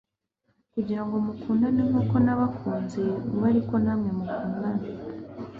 kugira ngo mukundane nk'uko nabakunze mube ariko namwe mukundana.'"